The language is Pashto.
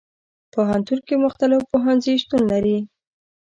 پوهنتون کې مختلف پوهنځي شتون لري.